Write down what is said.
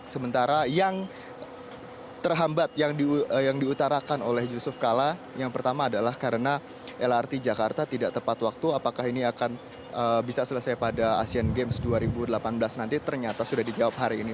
sementara yang terhambat yang diutarakan oleh yusuf kala yang pertama adalah karena lrt jakarta tidak tepat waktu apakah ini akan bisa selesai pada asian games dua ribu delapan belas nanti ternyata sudah dijawab hari ini